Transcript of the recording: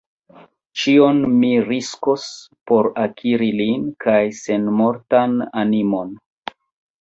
Ĉion mi riskos, por akiri lin kaj senmortan animon!